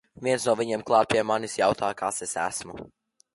Viens no viņiem klāt pie manis, jautā kas es esmu.